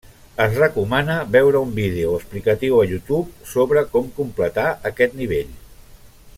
Es recomana veure un vídeo explicatiu a YouTube sobre com completar aquest nivell.